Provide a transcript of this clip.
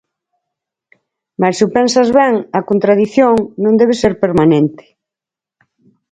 Mais se o pensas ben, a contradición non debe ser permanente.